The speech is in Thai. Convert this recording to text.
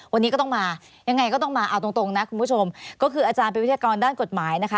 วันนี้ก็ต้องมายังไงก็ต้องมาเอาตรงนะคุณผู้ชมก็คืออาจารย์เป็นวิทยากรด้านกฎหมายนะคะ